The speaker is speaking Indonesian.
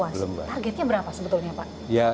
belum puas targetnya berapa sebetulnya pak